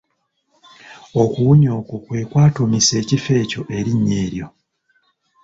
Okuwunya okwo kwe kwatuumisa ekifo ekyo erinnya lino.